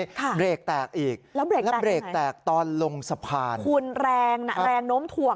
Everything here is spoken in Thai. เฮ่ยแบรกแตกอีกแล้วแบรกแตกตอนลงสะพานคุณแรงน้ำถ่วง